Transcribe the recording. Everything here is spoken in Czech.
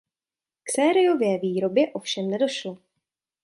K sériové výrobě ovšem nedošlo.